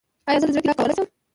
ایا زه د زړه ګراف کولی شم؟